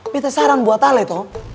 kita saran buat ale to